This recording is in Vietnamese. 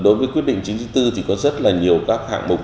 đối với quyết định chín trăm chín mươi bốn thì có rất là nhiều các hạng mục